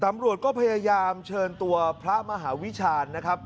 ตำรวจก็พยายามเชิญตัวพระมหาวิชาญนะครับ